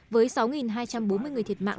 với sáu hai trăm bốn mươi người thiệt mạng